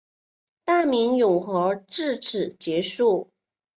大明永和至此结束。